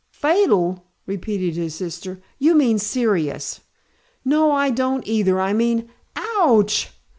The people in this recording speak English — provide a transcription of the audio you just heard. "Fatal?" repeated his sister. "You mean serious." "No, I don't either. I mean " "Ouch!"